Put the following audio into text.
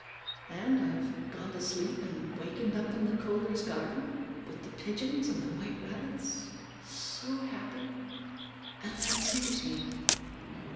And I've gone to sleep and wakened up in the Kohlers' garden, with the pigeons and the white rabbits, so happy! And that saves me."